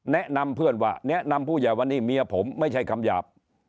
แนะนำเพื่อนว่าแนะนำผู้ใหญ่วันนี้เมียผมไม่ใช่คำหยาบ